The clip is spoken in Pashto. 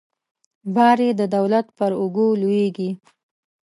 بار یې د دولت پر اوږو لویږي.